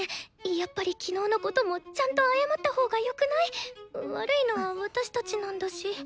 やっぱり昨日のこともちゃんと謝ったほうがよくない？悪いのは私たちなんだし。